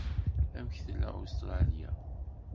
Amek tella Ustṛalya?